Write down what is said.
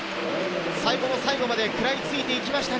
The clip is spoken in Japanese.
最後の最後まで食らいついていきましたが、